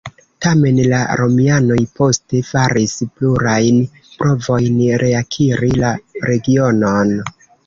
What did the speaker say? Tamen, la romianoj poste faris plurajn provojn reakiri la regionon.